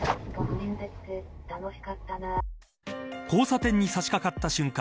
交差点に差し掛かった瞬間